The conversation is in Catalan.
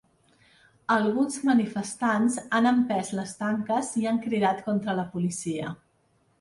Alguns manifestants han empès les tanques i han cridat contra la policia.